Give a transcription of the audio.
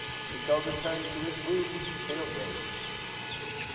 Chicot returned to his room in a rage.